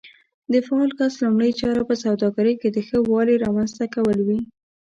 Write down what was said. د فعال کس لومړۍ چاره په سوداګرۍ کې د ښه والي رامنځته کول وي.